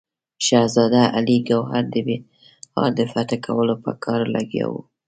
شهزاده علي ګوهر د بیهار د فتح کولو په کار لګیا وو.